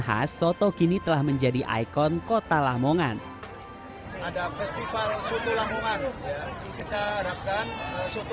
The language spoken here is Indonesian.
khas soto kini telah menjadi ikon kota lamongan ada festival soto lamongan kita harapkan soto